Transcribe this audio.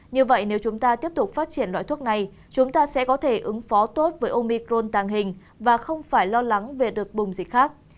như vậy nếu chúng ta tiếp tục phát triển loại thuốc này chúng ta sẽ có thể ứng phó tốt với omicron tàng hình và không phải lo lắng về đợt bùng dịch khác